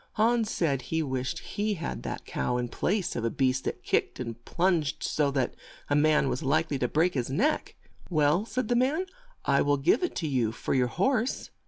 Hans said he wished he had that cow in place of a beast that kicked and plunged so that a man was like ly to break his neck. "Well," said the man, "I will give it to you for your horse."